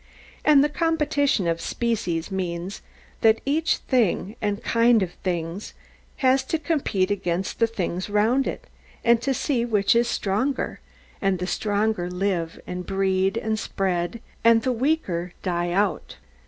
And the competition of species means, that each thing, and kind of things, has to compete against the things round it; and to see which is the stronger; and the stronger live, and breed, and spread, and the weaker die out.